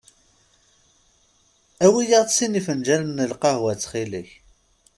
Awi-aɣ-d sin ifenǧalen n lqahwa ttxil-k.